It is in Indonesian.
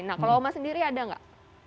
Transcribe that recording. nah kalau oma sendiri ada nggak